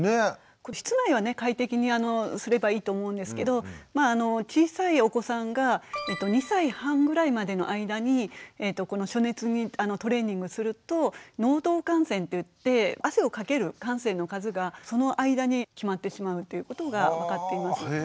室内はね快適にすればいいと思うんですけど小さいお子さんが２歳半ぐらいまでの間に暑熱にトレーニングすると能動汗腺っていって汗をかける汗腺の数がその間に決まってしまうっていうことが分かっています。